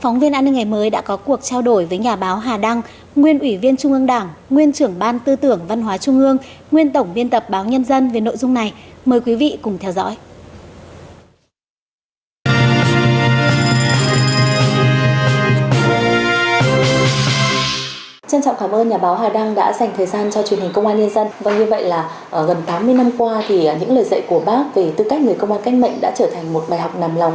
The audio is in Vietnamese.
năm qua những lời dạy của bác về tư cách người công an cách mệnh đã trở thành một bài học nằm lòng